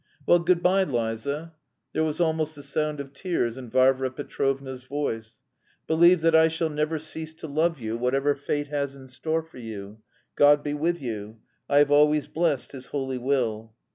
"Well, good bye, Liza" (there was almost the sound of tears in Varvara Petrovna's voice), "believe that I shall never cease to love you whatever fate has in store for you. God be with you. I have always blessed His Holy Will...."